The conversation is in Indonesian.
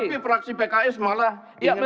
tapi fraksi pks malah ingin mencabut